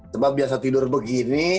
coba biasa tidur begini